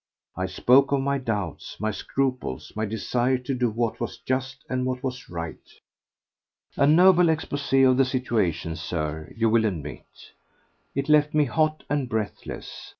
I spoke of my doubts, my scruples, my desire to do what was just and what was right. A noble expose of the situation, Sir, you will admit. It left me hot and breathless.